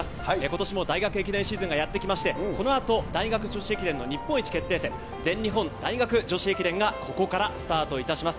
ことしも大学駅伝シーズンがやって来まして、このあと大学女子駅伝日本一決定戦が全日本大学女子駅伝がスタートいたします。